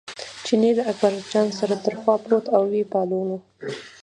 چیني له اکبرجان سره تر خوا پروت او یې پاللو.